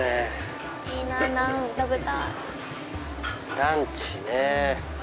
ランチね。